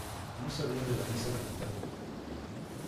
No sabía de la misa la mitad